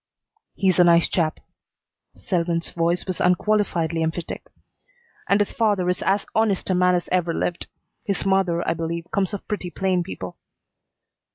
"He's a nice chap." Selwyn's voice was unqualifiedly emphatic. "And his father is as honest a man as ever lived. His mother, I believe, comes of pretty plain people."